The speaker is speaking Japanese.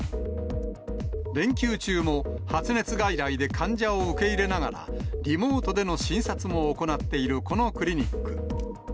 連休中も発熱外来で患者を受け入れながら、リモートでの診察も行っているこのクリニック。